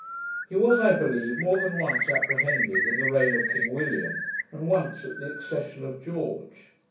He was, I believe, more than once apprehended in the reign of King William, and once at the accession of George.